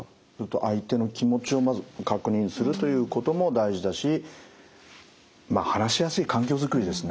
相手の気持ちをまず確認するということも大事だしまあ話しやすい環境作りですね。